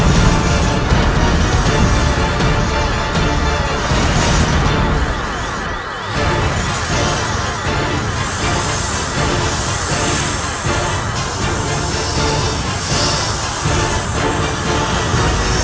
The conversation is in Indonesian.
sini selamat menikmati